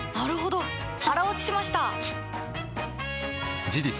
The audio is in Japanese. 腹落ちしました！